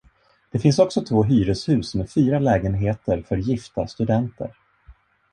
Det finns också två hyreshus med fyra lägenheter för gifta studenter.